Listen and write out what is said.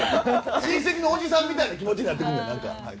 親戚のおじさんみたいな気持ちになってくるねん。